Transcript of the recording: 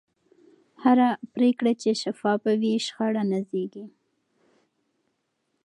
هره پرېکړه چې شفافه وي، شخړه نه زېږي.